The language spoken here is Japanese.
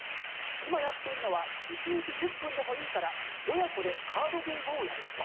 今やっているのは１日１０分でもいいから親子でカードゲームをやること。